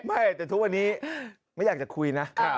ไม่แต่ทุกวันนี้ไม่อยากจะคุยนะ